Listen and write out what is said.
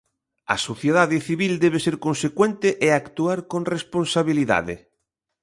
A sociedade civil debe ser consecuente e actuar con responsabilidade.